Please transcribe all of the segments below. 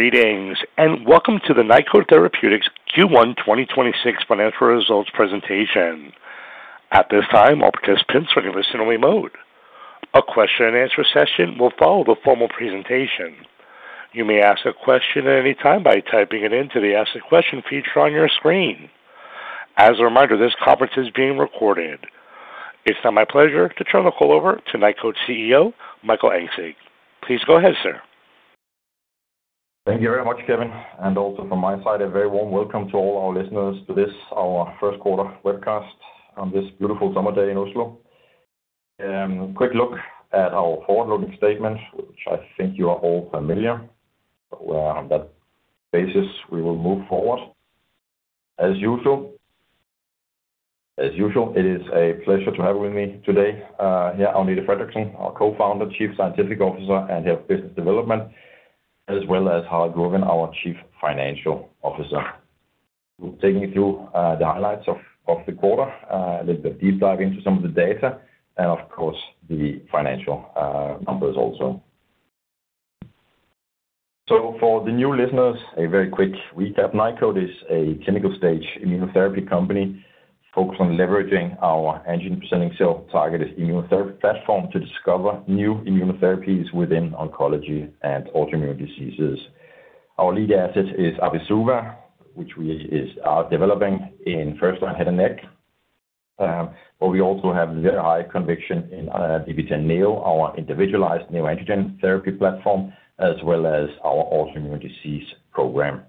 Greetings, and welcome to the Nykode Therapeutics Q1 2026 financial results presentation. At this time all participants are only listen mode. A Q&A session will follow the formal presentation. You may ask your question at any time by typing in to the "Ask your Question" feature on your screen. As a reminder this conference is being recorded. It's now my pleasure to turn the call over to Nykode CEO, Michael Engsig. Please go ahead, sir. Thank you very much, Kevin. Also from my side, a very warm welcome to all our listeners to this, our first quarter webcast on this beautiful summer day in Oslo. Quick look at our forward-looking statements, which I think you are all familiar, but on that basis, we will move forward. As usual, it is a pleasure to have with me today, here, Agnete Fredriksen, our Co-founder, Chief Scientific Officer and Head of Business Development, as well as Harald Gurvin, our Chief Financial Officer. Who's taking you through the highlights of the quarter, a little bit deep dive into some of the data and of course the financial numbers also. For the new listeners, a very quick recap. Nykode is a clinical stage immunotherapy company focused on leveraging our Antigen Presenting Cell-targeted immunotherapy platform to discover new immunotherapies within oncology and autoimmune diseases. Our lead asset is abi-suva, which is developing in first-line head and neck. We also have very high conviction in VB10.NEO, our individualized neoantigen therapy platform, as well as our autoimmune disease program.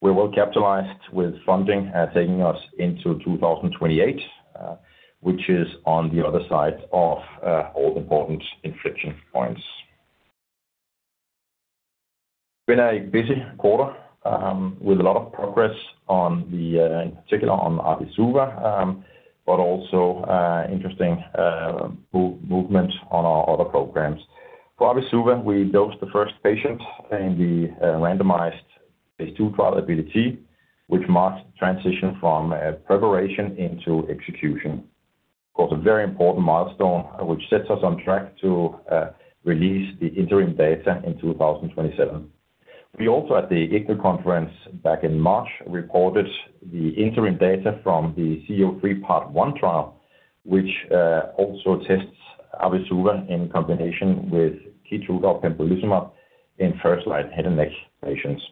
We're well capitalized with funding taking us into 2028, which is on the other side of all important inflection points. Been a busy quarter, with a lot of progress, in particular on abi-suva, but also interesting movement on our other programs. For abi-suva, we dosed the first patient in the randomized phase II trial, Abili-T, which marks the transition from preparation into execution. Of course, a very important milestone, which sets us on track to release the interim data in 2027. We also, at the ECR conference back in March, reported the interim data from the VB-C-03 part 1 trial, which also tests abi-suva in combination with KEYTRUDA pembrolizumab in first-line head and neck patients.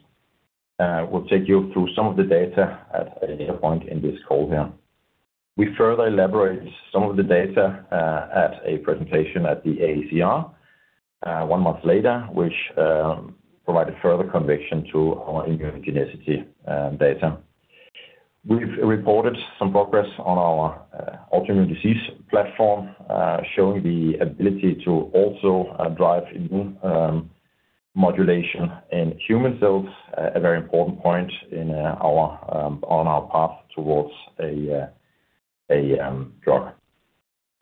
We'll take you through some of the data at a data point in this call here. We further elaborate some of the data at a presentation at the AACR one month later, which provided further conviction to our immunogenicity data. We've reported some progress on our autoimmune disease platform, showing the ability to also drive immune modulation in human cells. A very important point on our path towards a drug.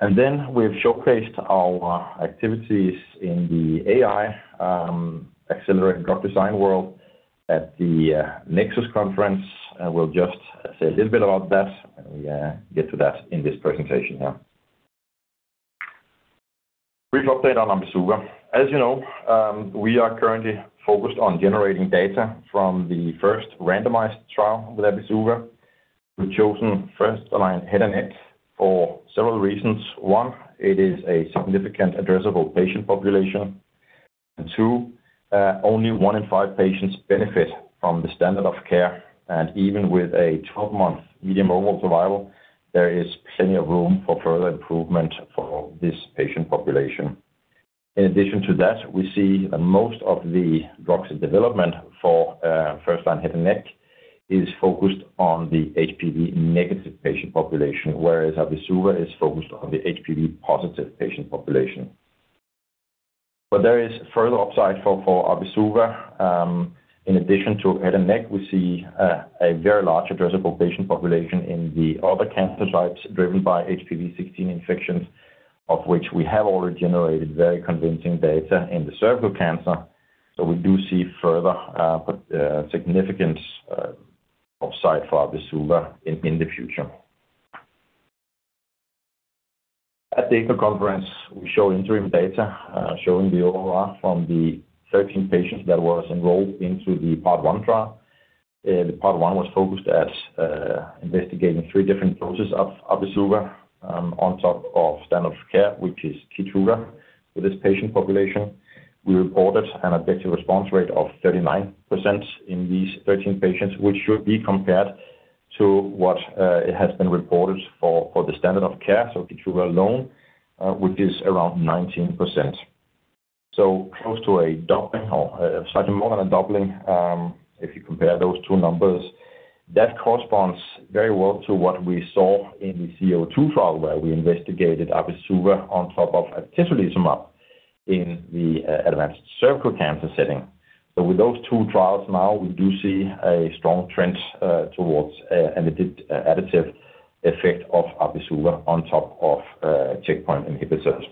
We've showcased our activities in the AI accelerated drug design world at the Nexus conference. We'll just say a little bit about that, and we get to that in this presentation here. Brief update on abi-suva. As you know, we are currently focused on generating data from the first randomized trial with abi-suva. We've chosen first-line head and neck for several reasons. One, it is a significant addressable patient population. Two, only one in five patients benefit from the standard of care. Even with a 12-month median overall survival, there is plenty of room for further improvement for this patient population. In addition to that, we see most of the drugs in development for first-line head and neck is focused on the HPV- patient population, whereas abi-suva is focused on the HPV+ patient population. There is further upside for abi-suva. In addition to head and neck, we see a very large addressable patient population in the other cancer types driven by HPV 16 infections, of which we have already generated very convincing data in the cervical cancer. We do see further significance upside for abi-suva in the future. At the ECR conference, we show interim data, showing the overall from the 13 patients that was enrolled into the part 1 trial. The part 1 was focused at investigating three different doses of abi-suva, on top of standard of care, which is KEYTRUDA for this patient population. We reported an objective response rate of 39% in these 13 patients, which should be compared to what has been reported for the standard of care, so KEYTRUDA alone, which is around 19%. Close to a doubling or slightly more than a doubling, if you compare those two numbers. That corresponds very well to what we saw in the VB-C-02 trial where we investigated abi-suva on top of atezolizumab in the advanced cervical cancer setting. With those two trials, now we do see a strong trend towards an additive effect of abi-suva on top of checkpoint inhibitors.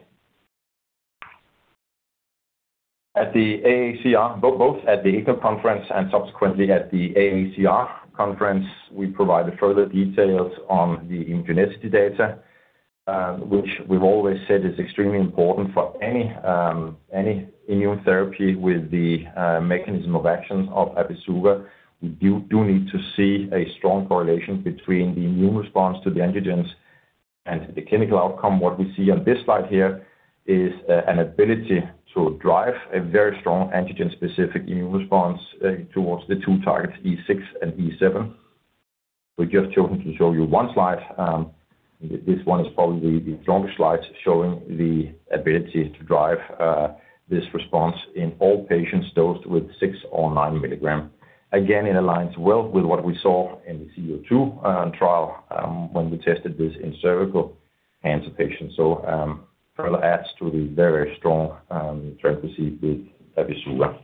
Both at the ECR conference and subsequently at the AACR conference, we provided further details on the immunogenicity data, which we've always said is extremely important for any immunotherapy with the mechanism of action of abi-suva. We do need to see a strong correlation between the immune response to the antigens and the clinical outcome. What we see on this slide here is an ability to drive a very strong antigen-specific immune response towards the two targets, E6 and E7. We've just chosen to show you one slide. This one is probably the strongest slide showing the ability to drive this response in all patients dosed with 6mg or 9mg. Again, it aligns well with what we saw in the VB-C-02 trial when we tested this in cervical cancer patients. Further adds to the very strong trend we see with abi-suva.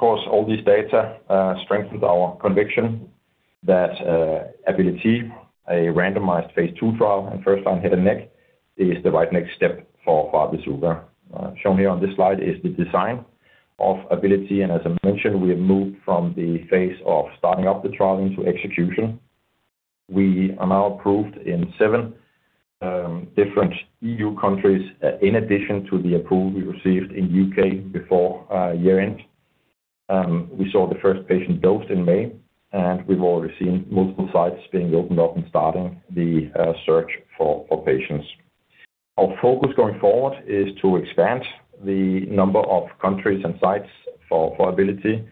All this data strengthens our conviction that Abili-T, a randomized phase II trial in first-line head and neck, is the right next step for abi-suva. Shown here on this slide is the design of Abili-T, as I mentioned, we have moved from the phase of starting up the trialing to execution. We are now approved in seven different EU countries, in addition to the approval we received in U.K. before year-end. We saw the first patient dosed in May, we've already seen multiple sites being opened up and starting the search for patients. Our focus going forward is to expand the number of countries and sites for Abili-T,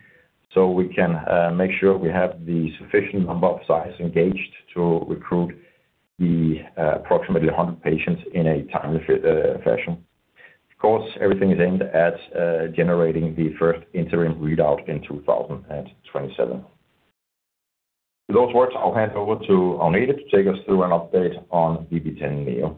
we can make sure we have the sufficient number of sites engaged to recruit the approximately 100 patients in a timely fashion. Everything is aimed at generating the first interim readout in 2027. With those words, I'll hand over to Agnete Fredriksen to take us through an update on VB10.NEO.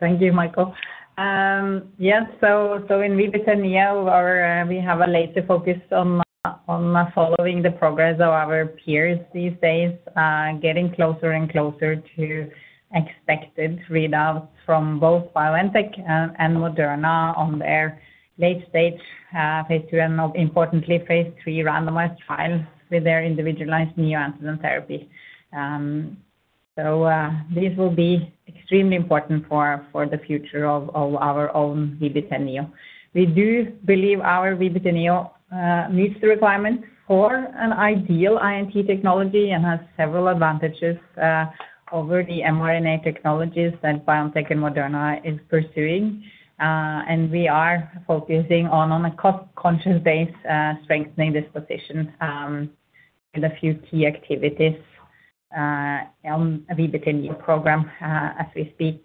Thank you, Michael. Yes, in VB10.NEO, we have a laser focus on following the progress of our peers these days, getting closer and closer to expected readouts from both BioNTech and Moderna on their late stage, phase II, and most importantly, phase III randomized trials with their individualized neoantigen therapy. This will be extremely important for the future of our own VB10.NEO. We do believe our VB10.NEO meets the requirements for an ideal INT technology and has several advantages over the mRNA technologies that BioNTech and Moderna is pursuing. We are focusing on a cost-conscious base strengthening this position in a few key activities on VB10.NEO program as we speak.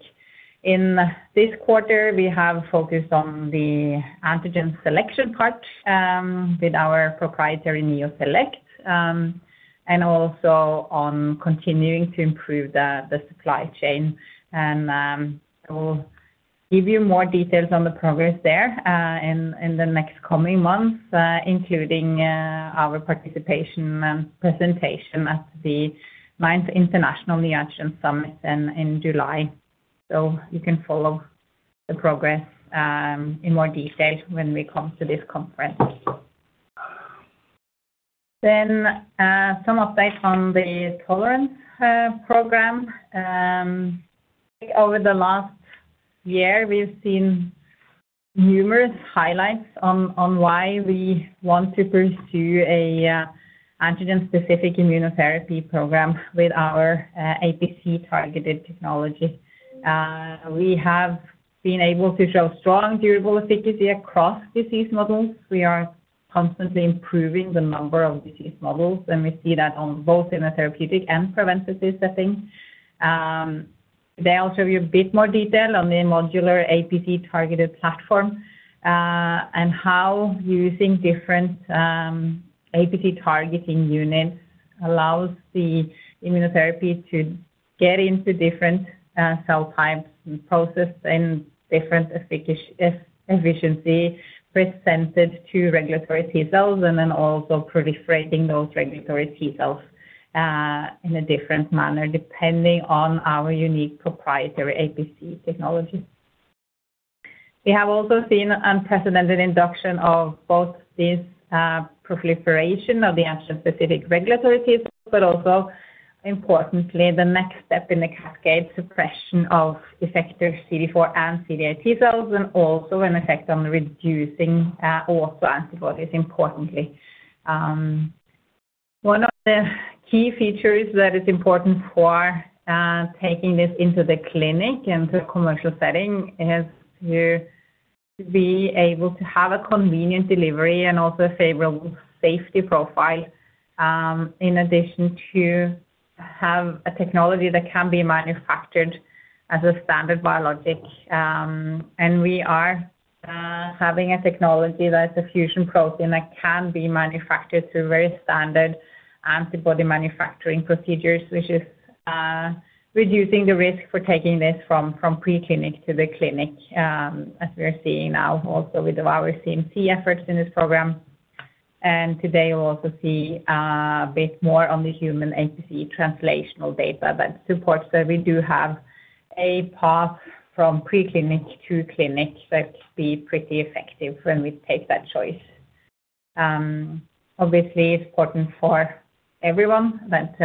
In this quarter, we have focused on the antigen selection part with our proprietary NeoSELECT, and also on continuing to improve the supply chain. We'll give you more details on the progress there in the next coming months, including our participation and presentation at the ninth International Neoantigen Summit in July. You can follow the progress in more detail when we come to this conference. Some updates on the tolerance program. Over the last year, we've seen numerous highlights on why we want to pursue an antigen-specific immunotherapy program with our APC-targeted technology. We have been able to show strong durable efficacy across disease models. We are constantly improving the number of disease models, and we see that on both in a therapeutic and preventative setting. Today, I'll show you a bit more detail on the modular APC-targeted platform. How using different APC-targeting units allows the immunotherapy to get into different cell types and process in different efficiency presented to regulatory T cells. Also proliferating those regulatory T cells in a different manner, depending on our unique proprietary APC technology. We have also seen unprecedented induction of both this proliferation of the antigen-specific regulatory T cells. Importantly, the next step in the cascade suppression of effector CD4 and CD8 T cells. Also an effect on reducing autoantibodies, importantly. One of the key features that is important for taking this into the clinic and to a commercial setting is to be able to have a convenient delivery. Also favorable safety profile, in addition to have a technology that can be manufactured as a standard biologic. We are having a technology that's a fusion protein that can be manufactured through very standard antibody manufacturing procedures, which is reducing the risk for taking this from pre-clinic to the clinic, as we are seeing now also with our CMC efforts in this program. Today, we'll also see a bit more on the human APC translational data that supports that we do have a path from pre-clinic to clinic that could be pretty effective when we take that choice. Obviously, it's important for everyone that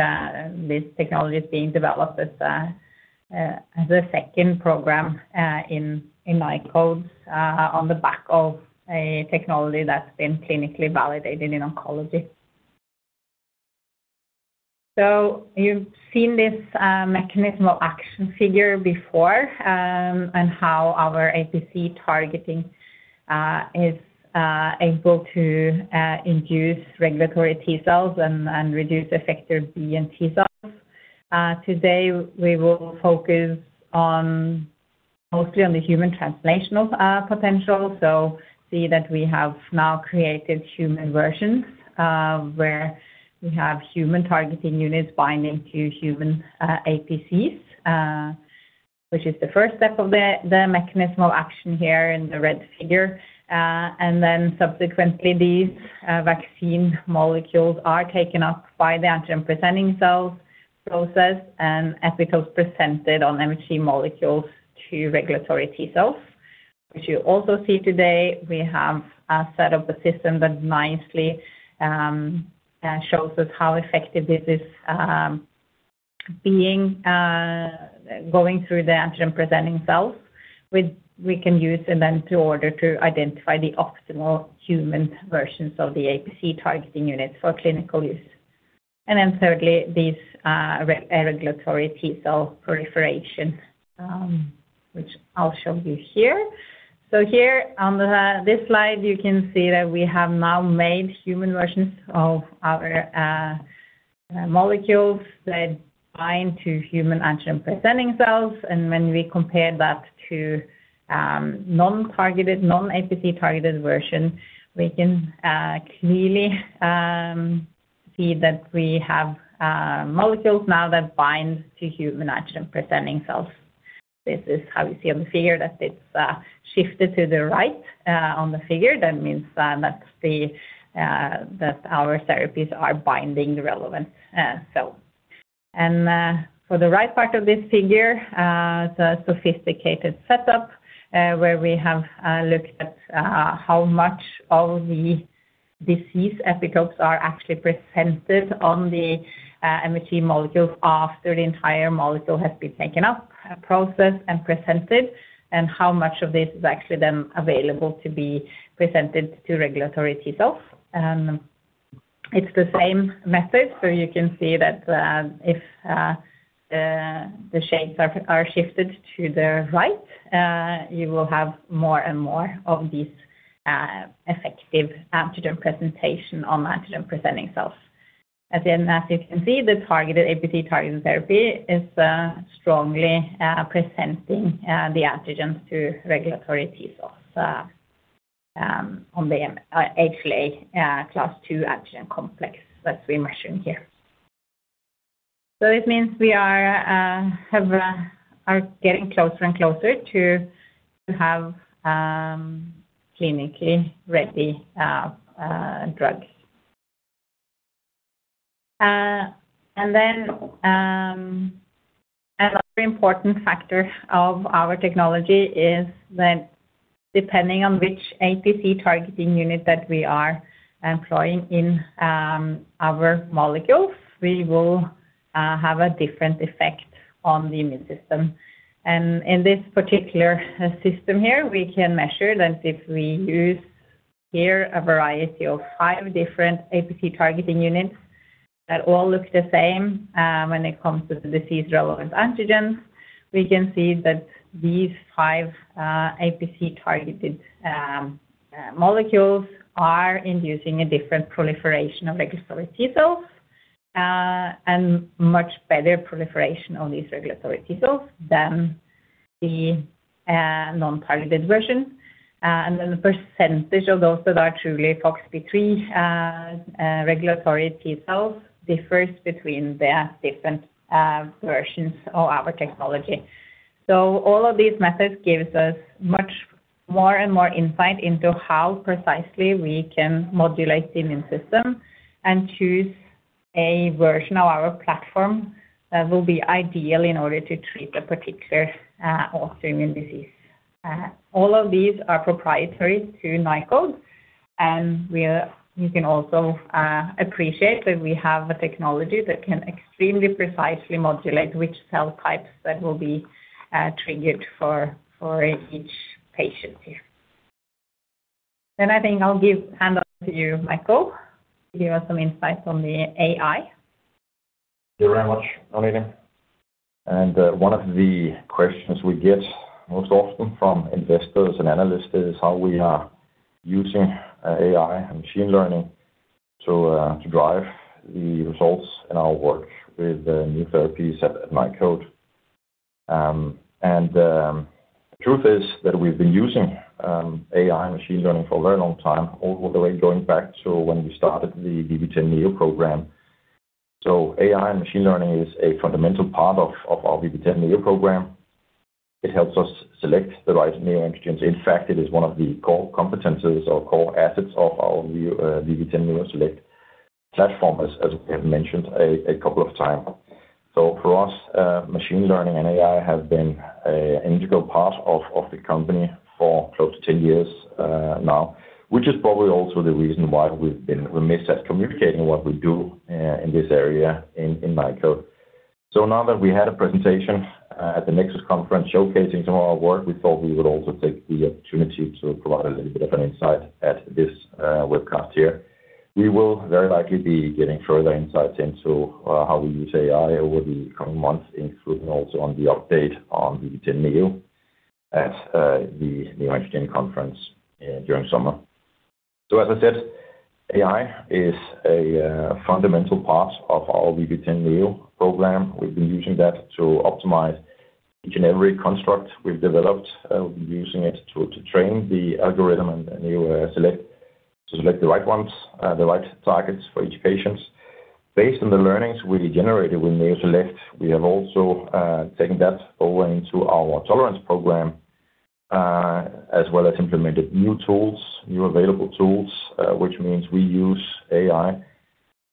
this technology is being developed as a second program in Nykode on the back of a technology that's been clinically validated in oncology. You've seen this mechanism of action figure before, and how our APC targeting is able to induce regulatory T cells and reduce effector B and T cells. Today, we will focus mostly on the human translational potential. See that we have now created human versions, where we have human targeting units binding to human APCs, which is the first step of the mechanism of action here in the red figure. Subsequently, these vaccine molecules are taken up by the antigen-presenting cell process and epitopes presented on MHC molecules to regulatory T cells, which you also see today. We have set up a system that nicely shows us how effective this is going through the antigen-presenting cell, which we can use in order to identify the optimal human versions of the APC targeting units for clinical use. Thirdly, these regulatory T cell proliferation, which I will show you here. Here on this slide, you can see that we have now made human versions of our molecules that bind to human antigen-presenting cells. When we compare that to non-APC-targeted version, we can clearly see that we have molecules now that bind to human antigen presenting cells. This is how you see on the figure that it's shifted to the right on the figure. That means that our therapies are binding relevant cells. For the right part of this figure, the sophisticated setup, where we have looked at how much of the disease epitopes are actually presented on the MHC molecules after the entire molecule has been taken up, processed, and presented, and how much of this is actually then available to be presented to regulatory T cells. It's the same method, so you can see that if the shapes are shifted to the right, you will have more and more of these effective antigen presentation on antigen-presenting cells. At the end, as you can see, the targeted APC-targeted therapy is strongly presenting the antigens to regulatory T cells on the HLA class II antigen complex that we measure here. It means we are getting closer and closer to have clinically ready drugs. Another important factor of our technology is that depending on which APC targeting unit that we are employing in our molecules, we will have a different effect on the immune system. In this particular system here, we can measure that if we use here a variety of five different APC targeting units that all look the same when it comes to the disease-relevant antigens, we can see that these five APC-targeted molecules are inducing a different proliferation of regulatory T cells, and much better proliferation on these regulatory T cells than the non-targeted version. The percentage of those that are truly FOXP3 regulatory T cells differs between the different versions of our technology. All of these methods gives us more and more insight into how precisely we can modulate the immune system and choose a version of our platform that will be ideal in order to treat a particular autoimmune disease. All of these are proprietary to Nykode, and you can also appreciate that we have a technology that can extremely precisely modulate which cell types that will be triggered for each patient here. I think I'll hand on to you, Michael, to give us some insights on the AI. Thank you very much, Agnete. One of the questions we get most often from investors and analysts is how we are using AI and machine learning to drive the results in our work with the new therapies at Nykode. The truth is that we've been using AI and machine learning for a very long time, all the way going back to when we started the VB10.NEO program. AI and machine learning is a fundamental part of our VB10.NEO program. It helps us select the right neoantigens. In fact, it is one of the core competencies or core assets of our NeoSELECT platform, as we have mentioned a couple of times. For us, machine learning and AI have been an integral part of the company for close to 10 years now, which is probably also the reason why we've been remiss at communicating what we do in this area in Nykode. Now that we had a presentation at the Nexus conference showcasing some of our work, we thought we would also take the opportunity to provide a little bit of an insight at this webcast here. We will very likely be giving further insights into how we use AI over the coming months, including also on the update on VB10.NEO at the International Neoantigen Summit during summer. As I said, AI is a fundamental part of our VB10.NEO program. We've been using that to optimize each and every construct we've developed. We've been using it to train the algorithm and the NeoSELECT to select the right ones, the right targets for each patient. Based on the learnings we generated with NeoSELECT, we have also taken that forward into our tolerance program, as well as implemented new tools, new available tools, which means we use AI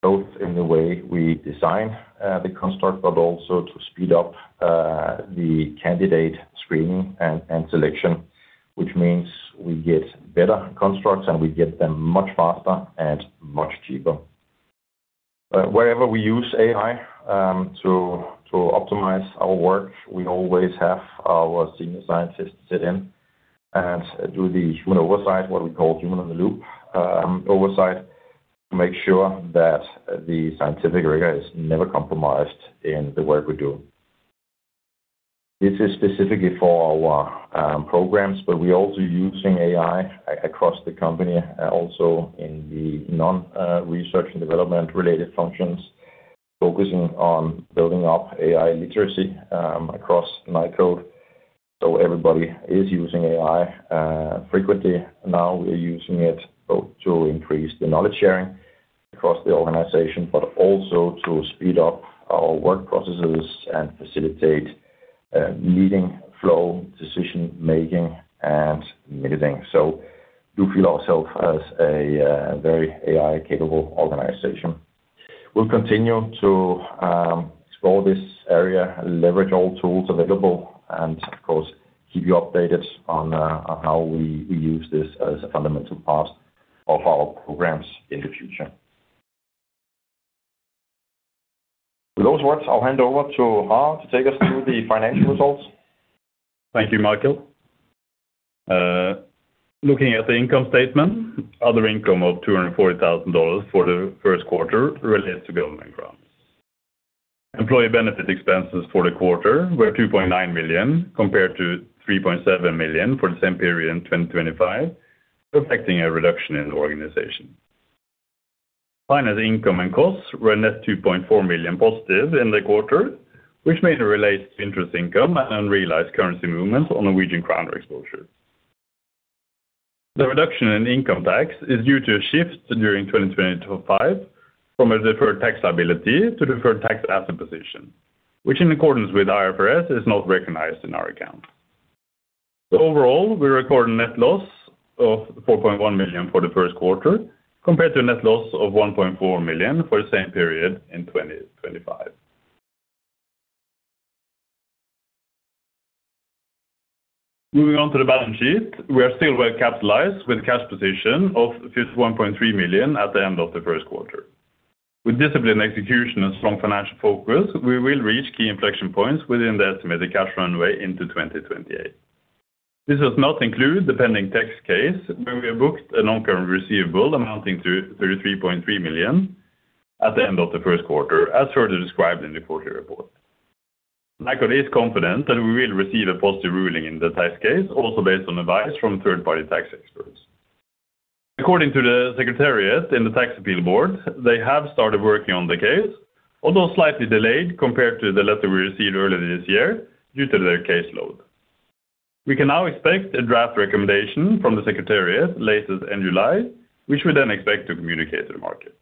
both in the way we design the construct, but also to speed up the candidate screening and selection, which means we get better constructs, and we get them much faster and much cheaper. Wherever we use AI to optimize our work, we always have our senior scientists sit in and do the human oversight, what we call human-in-the-loop oversight, to make sure that the scientific rigor is never compromised in the work we do. This is specifically for our programs, but we are also using AI across the company, also in the non-research and development-related functions, focusing on building up AI literacy across Nykode. Everybody is using AI frequently now. We are using it both to increase the knowledge sharing across the organization, but also to speed up our work processes and facilitate meeting flow, decision-making, and meeting. Do feel ourself as a very AI-capable organization. We will continue to explore this area, leverage all tools available, and of course, keep you updated on how we use this as a fundamental part of our programs in the future. With those words, I will hand over to Harald to take us through the financial results. Thank you, Michael. Looking at the income statement, other income of $240,000 for the first quarter relates to government grants. Employee benefit expenses for the quarter were $2.9 million, compared to $3.7 million for the same period in 2025, reflecting a reduction in the organization. Finance income and costs were a net $2.4 million positive in the quarter, which mainly relates to interest income and unrealized currency movements on Norwegian krone exposure. The reduction in income tax is due to a shift during 2025 from a deferred tax liability to deferred tax asset position, which in accordance with IFRS, is not recognized in our account. Overall, we record a net loss of $4.1 million for the first quarter, compared to a net loss of $1.4 million for the same period in 2025. Moving on to the balance sheet. We are still well capitalized with a cash position of $51.3 million at the end of the first quarter. With disciplined execution and strong financial focus, we will reach key inflection points within the estimated cash runway into 2028. This does not include the pending tax case, where we have booked a non-current receivable amounting to $33.3 million at the end of the first quarter, as further described in the quarterly report. Nykode is confident that we will receive a positive ruling in the tax case, also based on advice from third-party tax experts. According to the Secretariat and the Tax Appeal Board, they have started working on the case, although slightly delayed compared to the letter we received earlier this year due to their caseload. We can now expect a draft recommendation from the Secretariat latest in July, which we then expect to communicate to the market.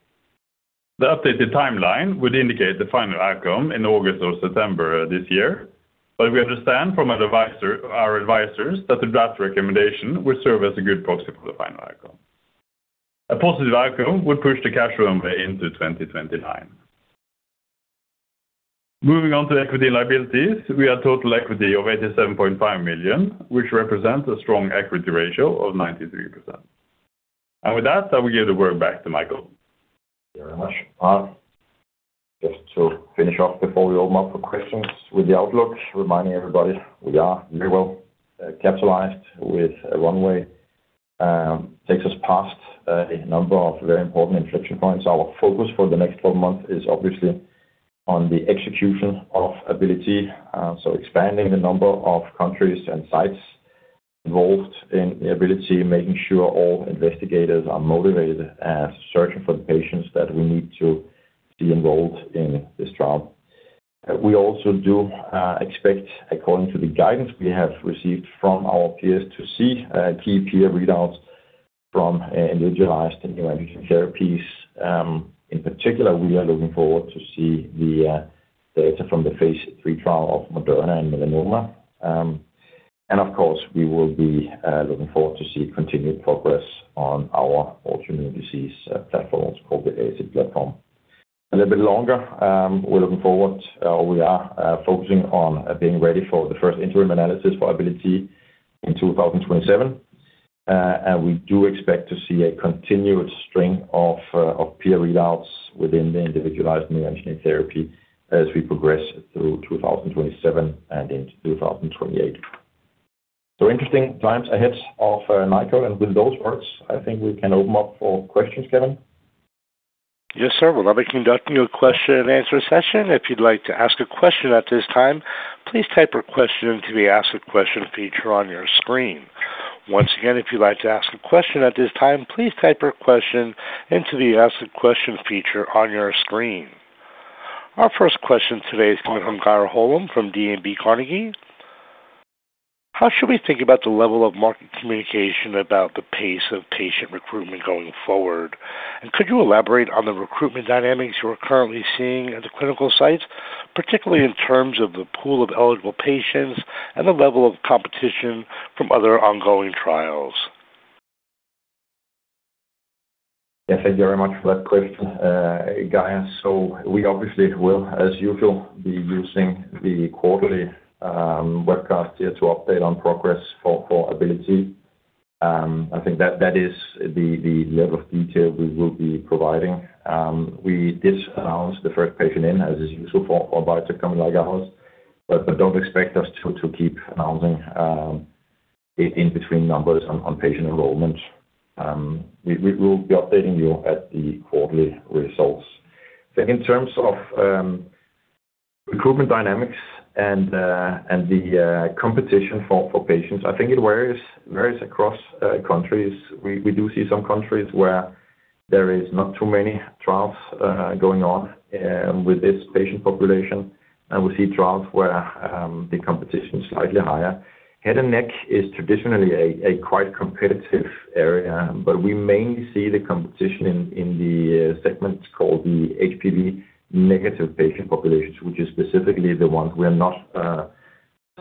The updated timeline would indicate the final outcome in August or September this year, but we understand from our advisors that the draft recommendation will serve as a good proxy for the final outcome. A positive outcome would push the cash runway into 2029. Moving on to equity and liabilities. We have total equity of $87.5 million, which represents a strong equity ratio of 93%. With that, I will give the word back to Michael. Thank you very much, Harald. Just to finish off before we open up for questions with the outlook, reminding everybody we are very well capitalized with a runway that takes us past a number of very important inflection points. Our focus for the next 12 months is obviously on the execution of Abili-T. Expanding the number of countries and sites involved in the Abili-T, making sure all investigators are motivated and searching for the patients that we need to be enrolled in this trial. We also do expect, according to the guidance we have received from our peers, to see key peer readouts from individualized immunotherapy therapies. In particular, we are looking forward to see the data from the phase III trial of Moderna and melanoma. Of course, we will be looking forward to see continued progress on our autoimmune disease platforms, called the APC platform. A little bit longer, we are focusing on being ready for the first interim analysis by Abili-T in 2027. We do expect to see a continued string of peer readouts within the individualized immune engineering therapy as we progress through 2027 and into 2028. Interesting times ahead of Nykode, and with those words, I think we can open up for questions, Kevin. Yes, sir. We'll now be conducting a question and answer session. If you'd like to ask a question at this time, please type your question into the "Ask a Question" feature on your screen. Once again, if you'd like to ask a question at this time, please type your question into the "Ask a Question" feature on your screen. Our first question today is coming from Geir Holom from DNB Markets. How should we think about the level of market communication about the pace of patient recruitment going forward? Could you elaborate on the recruitment dynamics you are currently seeing at the clinical sites, particularly in terms of the pool of eligible patients and the level of competition from other ongoing trials? Yes, thank you very much for that question, Geir. We obviously will, as usual, be using the quarterly webcast here to update on progress for Abili-T. I think that is the level of detail we will be providing. We did announce the first patient in, as is usual for a biotech company like ours, but don't expect us to keep announcing in between numbers on patient enrollment. We will be updating you at the quarterly results. In terms of recruitment dynamics and the competition for patients, I think it varies across countries. We do see some countries where there is not too many trials going on with this patient population, and we see trials where the competition is slightly higher. Head and neck is traditionally a quite competitive area, we mainly see the competition in the segment called the HPV- patient populations, which is specifically the ones we are not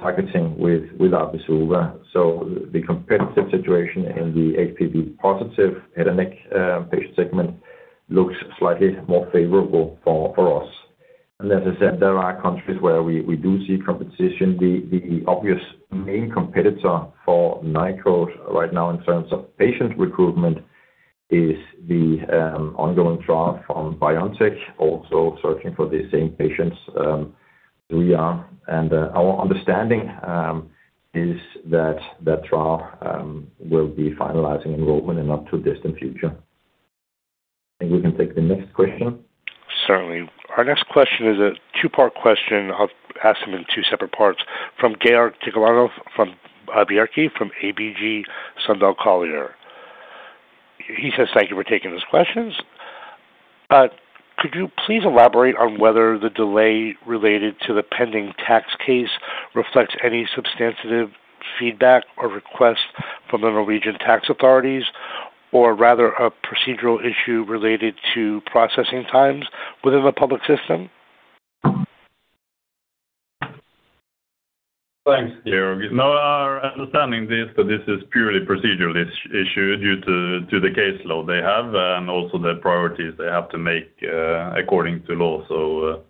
targeting with abi-suva. The competitive situation in the HPV+ head and neck patient segment looks slightly more favorable for us. As I said, there are countries where we do see competition. The obvious main competitor for Nykode right now in terms of patient recruitment is the ongoing trial from BioNTech, also searching for the same patients as we are. Our understanding is that that trial will be finalizing enrollment in not too distant future. I think we can take the next question. Certainly. Our next question is a two-part question. I will ask them in two separate parts. From Georg Tigalonov-Bjerke from ABG Sundal Collier. He says, Thank you for taking these questions. Could you please elaborate on whether the delay related to the pending tax case reflects any substantive feedback or request from the Norwegian Tax Administration, or rather a procedural issue related to processing times within the public system?" Thanks, Georg. No, our understanding is that this is purely procedural issue due to the case load they have and also the priorities they have to make according to law.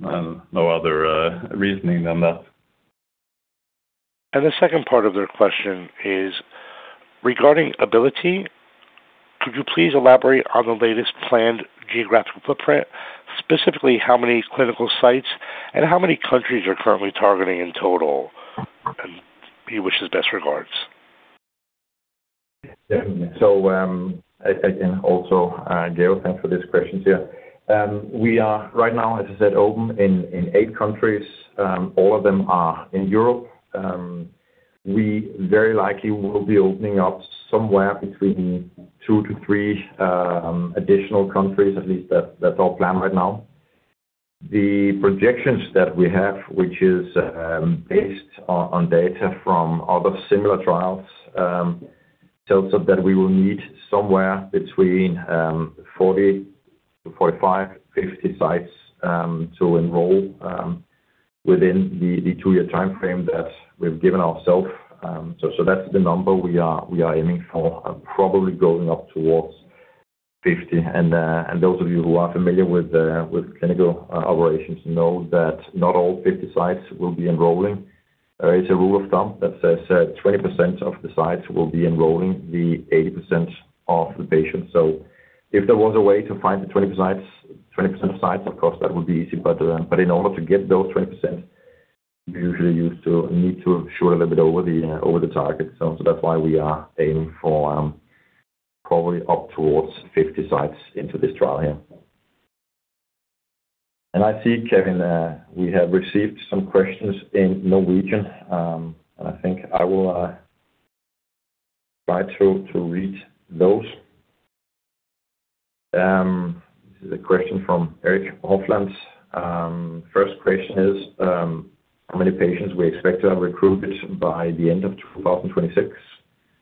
No other reasoning than that. The second part of their question is, regarding Abili-T, could you please elaborate on the latest planned geographical footprint, specifically how many clinical sites and how many countries you're currently targeting in total? He wishes best regards. Again, also, Georg, thanks for these questions here. We are right now, as I said, open in eight countries. All of them are in Europe. We very likely will be opening up somewhere between two to three additional countries. At least that's our plan right now. The projections that we have, which is based on data from other similar trials, tells us that we will need somewhere between 40 to 45, 50 sites to enroll within the two-year timeframe that we've given ourself. That's the number we are aiming for, probably going up towards 50. Those of you who are familiar with clinical operations know that not all 50 sites will be enrolling. It's a rule of thumb that says that 20% of the sites will be enrolling the 80% of the patients. If there was a way to find the 20% of sites, of course, that would be easy. In order to get those 20%, you usually need to ensure a little bit over the target. That's why we are aiming for probably up towards 50 sites into this trial here. I see, Kevin, we have received some questions in Norwegian, and I think I will try to read those. This is a question from Erik Hofland. First question is, how many patients we expect to have recruited by the end of 2026?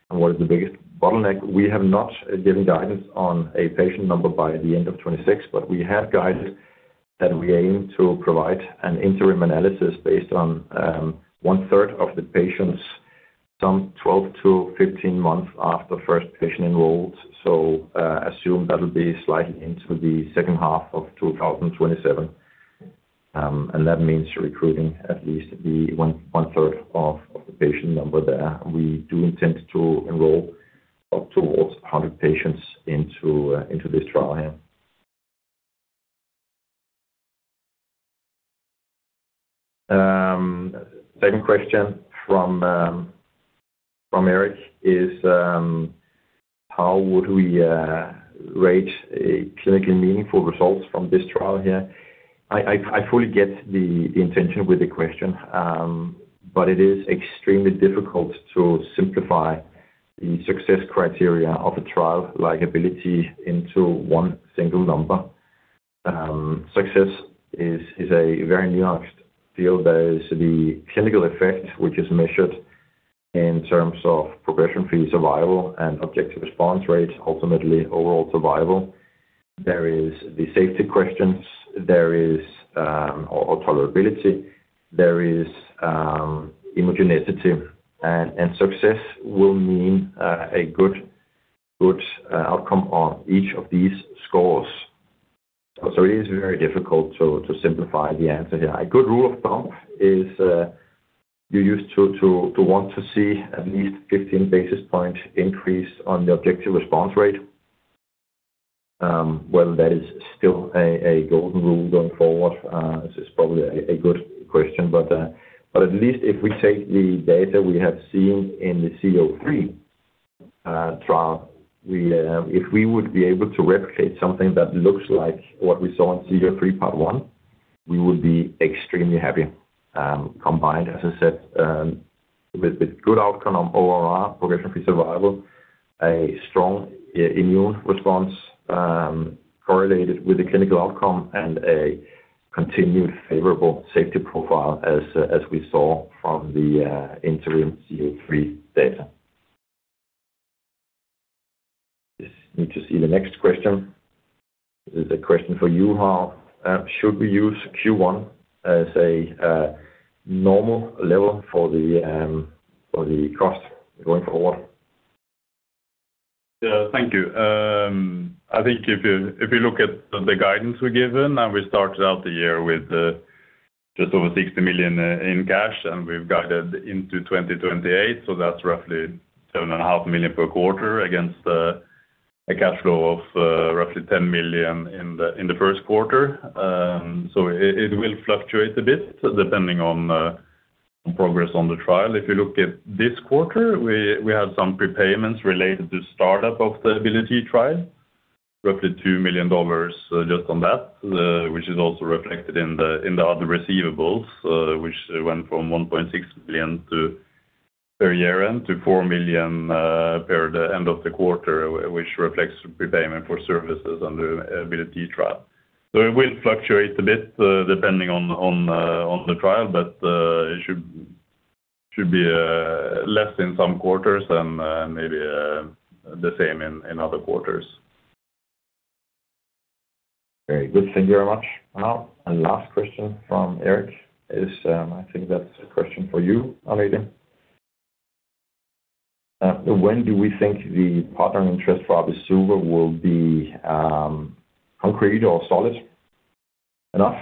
What is the biggest bottleneck? We have not given guidance on a patient number by the end of 2026, but we have guided that we aim to provide an interim analysis based on one-third of the patients some 12 to 15 months after first patient enrolled. Assume that'll be slightly into the H2 of 2027. That means recruiting at least the 1/3 of the patient number there. We do intend to enroll up towards 100 patients into this trial here. Second question from Erik is, how would we rate a clinically meaningful result from this trial here? I fully get the intention with the question, but it is extremely difficult to simplify the success criteria of a trial like Abili-T into one single number. Success is a very nuanced field. There is the clinical effect, which is measured in terms of progression-free survival and objective response rate, ultimately overall survival. There is the safety questions. There is tolerability. There is immunogenicity. Success will mean a good outcome on each of these scores. It is very difficult to simplify the answer here. A good rule of thumb is you used to want to see at least 15 basis points increase on the objective response rate. Whether that is still a golden rule going forward is probably a good question. At least if we take the data we have seen in the VB-C-03 trial, if we would be able to replicate something that looks like what we saw in VB-C-03 part one, we would be extremely happy. Combined, as I said, with a good outcome on ORR, progression-free survival, a strong immune response correlated with a clinical outcome and a continued favorable safety profile as we saw from the interim VB-C-03 data. Just need to see the next question. This is a question for you, Harald. Should we use Q1 as a normal level for the cost going forward? Thank you. I think if you look at the guidance we've given, we started out the year with just over $60 million in cash, we've guided into 2028, that's roughly $7.5 million per quarter against a cash flow of roughly $10 million in the first quarter. It will fluctuate a bit depending on progress on the trial. If you look at this quarter, we had some prepayments related to startup of the Abili-T trial, roughly $2 million just on that, which is also reflected in the other receivables, which went from $1.6 million per year-end to $4 million per the end of the quarter, which reflects prepayment for services under Abili-T trial. It will fluctuate a bit depending on the trial, but it should be less in some quarters and maybe the same in other quarters. Very good. Thank you very much, Harald. Last question from Erik is, I think that's a question for you, Agnete. When do we think the partnering interest for abi-suva will be concrete or solid enough?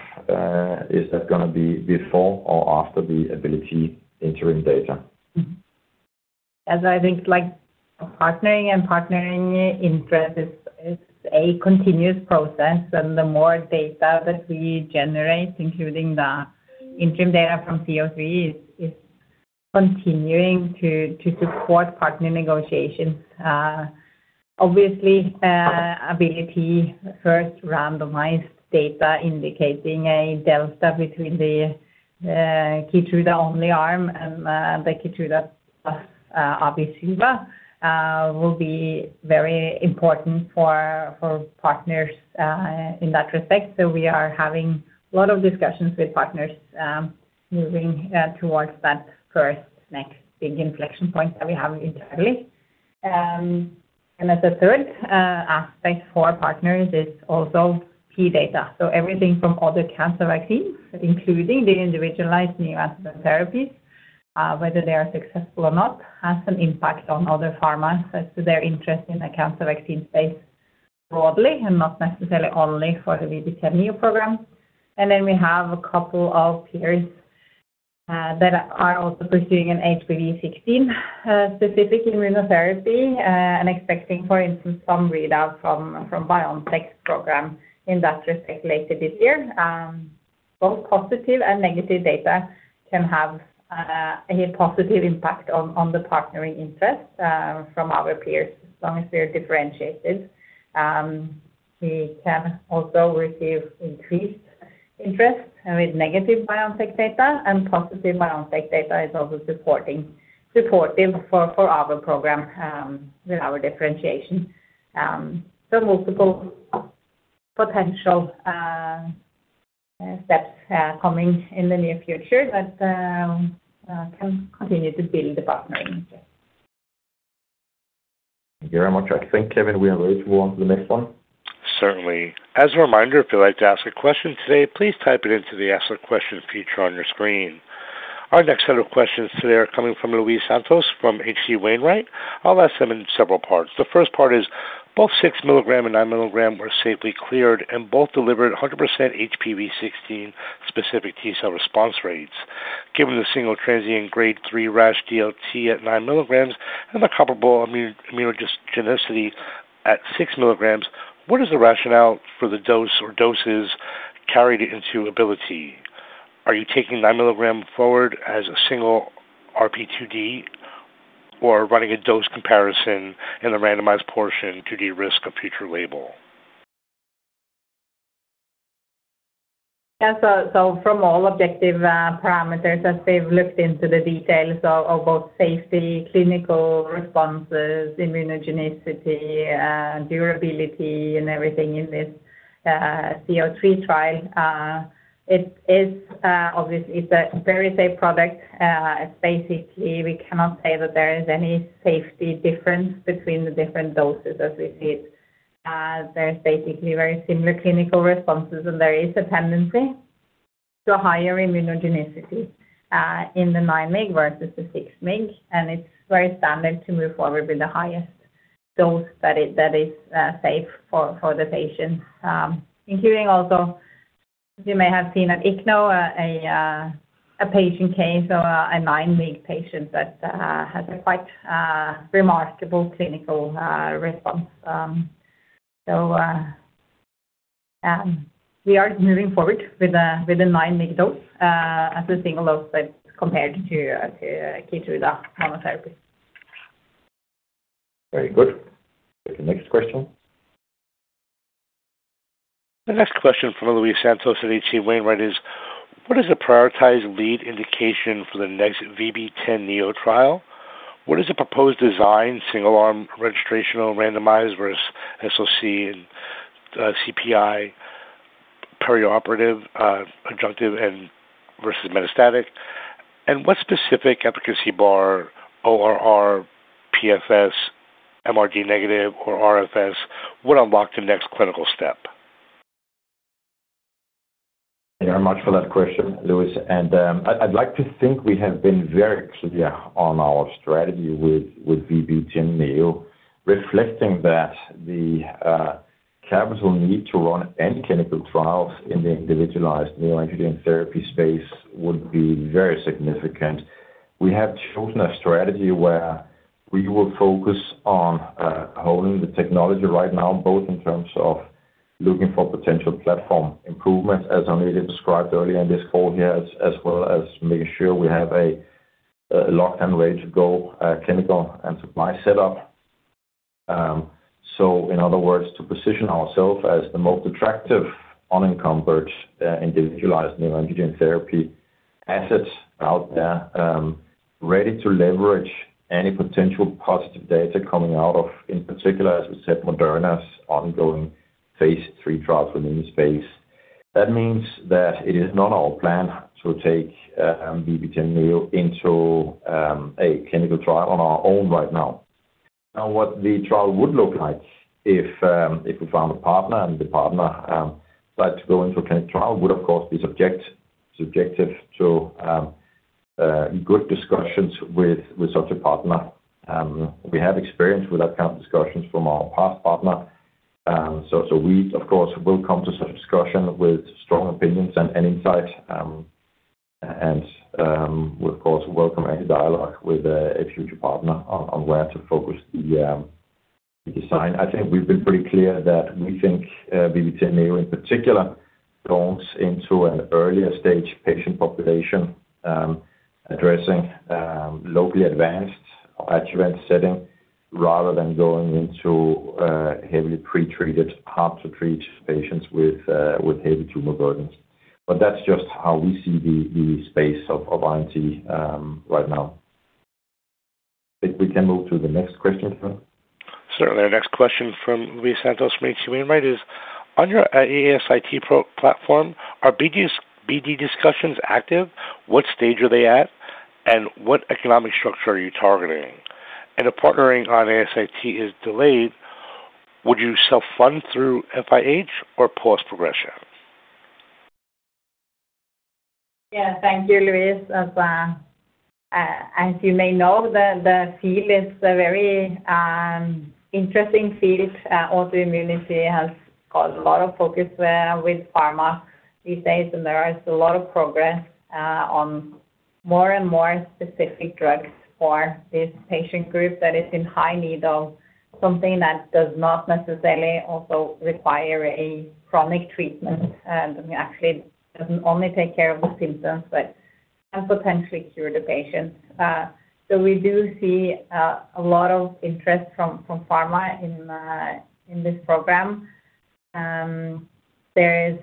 Is that going to be before or after the Abili-T interim data? As I think like partnering and partnering interest is a continuous process, and the more data that we generate, including the interim data from VB-C-03, is continuing to support partner negotiations. Obviously, Abili-T first randomized data indicating a delta between the KEYTRUDA on the arm and the KEYTRUDA abi-suva will be very important for partners in that respect. We are having a lot of discussions with partners moving towards that first next big inflection point that we have internally. As a third aspect for partners is also key data. Everything from other cancer vaccines, including the individualized neoantigen therapies, whether they are successful or not, has an impact on other pharmas as to their interest in the cancer vaccine space broadly, and not necessarily only for the VB10.NEO program. We have a couple of peers that are also pursuing an HPV 16 specific immunotherapy and expecting, for instance, some readout from BioNTech's program in that respect later this year. Both positive and negative data can have a positive impact on the partnering interest from our peers. As long as we are differentiated, we can also receive increased interest with negative BioNTech data, and positive BioNTech data is also supportive for our program with our differentiation. Multiple potential steps are coming in the near future that can continue to build the partnering. Thank you very much. I think, Kevin, we are ready to move on to the next one. Certainly. As a reminder, if you'd like to ask a question today, please type it into the "Ask a Question" feature on your screen. Our next set of questions today are coming from Luis Santos from H.C. Wainwright & Co. I'll ask them in several parts. The first part is, both 6mg and 9mg were safely cleared and both delivered 100% HPV 16 specific T cell response rates. Given the single transient grade 3 rash DLT at 9mg and the comparable immunogenicity at 6mg, what is the rationale for the dose or doses carried into Abili-T? Are you taking 9mg forward as a single RP2D or running a dose comparison in the randomized portion to de-risk a future label? From all objective parameters, as we've looked into the details of both safety, clinical responses, immunogenicity, durability, and everything in this VB-C-03 trial, it is obviously it's a very safe product. Basically, we cannot say that there is any safety difference between the different doses as we see it. There's basically very similar clinical responses. There is a tendency to higher immunogenicity, in the 9 mg versus the 6 mg. It's very standard to move forward with the highest dose that is safe for the patient. Including also, you may have seen at ICHNO, a patient case of a 9 mg patient that has a quite remarkable clinical response. We are moving forward with the 9 mg dose as a single dose but compared to KEYTRUDA chemotherapy. Very good. The next question. The next question from Luis Santos at H.C. Wainwright is: What is the prioritized lead indication for the next VB10.NEO trial? What is the proposed design, single arm, registrational randomized versus SOC and CPI, perioperative, adjunctive and versus metastatic? What specific efficacy bar ORR, PFS, MRD- or RFS would unlock the next clinical step? Thank you very much for that question, Luis. I'd like to think we have been very clear on our strategy with VB10.NEO, reflecting that the capital need to run any clinical trials in the individualized neoadjuvant therapy space would be very significant. We have chosen a strategy where we will focus on holding the technology right now, both in terms of looking for potential platform improvements, as I may have described earlier in this call here, as well as making sure we have a locked and ready-to-go clinical and supply setup. In other words, to position ourselves as the most attractive unencumbered, individualized neo-adjuvant therapy assets out there, ready to leverage any potential positive data coming out of, in particular, as we said, Moderna's ongoing phase III trial for melanoma space. That means that it is not our plan to take VB10.NEO into a clinical trial on our own right now. What the trial would look like if we found a partner and the partner decided to go into a clinical trial would of course be subjective to good discussions with such a partner. We, of course, will come to such discussion with strong opinions and insight. We of course welcome any dialogue with a future partner on where to focus the design. I think we've been pretty clear that we think VB10.NEO in particular belongs into an earlier stage patient population, addressing locally advanced adjuvant setting rather than going into heavily pretreated hard to treat patients with heavy tumor burdens. That's just how we see the space of IMT right now. If we can move to the next question. Certainly. Our next question from Luis Santos from H.C. Wainwright. On your ASIT platform, are BD discussions active? What stage are they at? What economic structure are you targeting? If partnering on ASIT is delayed, would you self-fund through FIH or pause progression? Yeah, thank you, Luis. As you may know, the field is a very interesting field. Autoimmunity has caused a lot of focus with pharma these days, there is a lot of progress on more and more specific drugs for this patient group that is in high need of something that does not necessarily also require a chronic treatment, and actually doesn't only take care of the symptoms, but can potentially cure the patients. We do see a lot of interest from pharma in this program. There is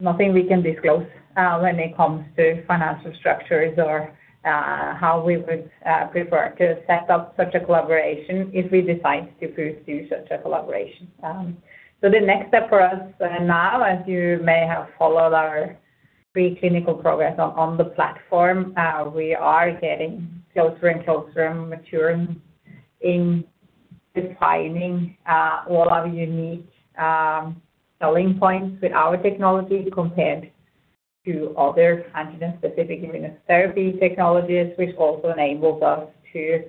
nothing we can disclose when it comes to financial structures or how we would prefer to set up such a collaboration if we decide to pursue such a collaboration. The next step for us now, as you may have followed our preclinical progress on the platform, we are getting closer and closer and maturing in defining all our unique selling points with our technology compared to other antigen specific immunotherapy technologies, which also enables us to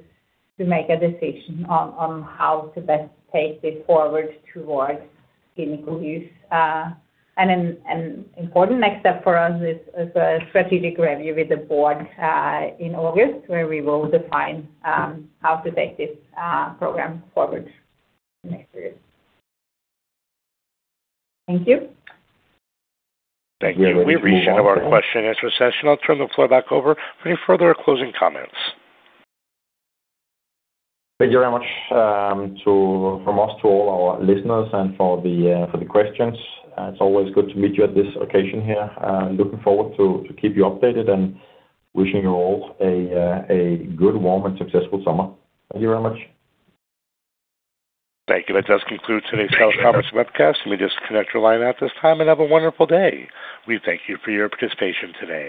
make a decision on how to best take this forward towards clinical use. An important next step for us is a strategic review with the board, in August, where we will define how to take this program forward in the next period. Thank you. Thank you. We've reached the end of our question and answer session. I'll turn the floor back over for any further closing comments. Thank you very much from us to all our listeners and for the questions. It is always good to meet you at this occasion here. Looking forward to keep you updated and wishing you all a good, warm, and successful summer. Thank you very much. Thank you. That does conclude today's Nykode Therapeutics webcast. Let me just connect your line out at this time and have a wonderful day. We thank you for your participation today.